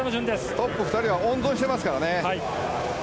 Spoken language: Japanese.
トップ２人は温存してますからね。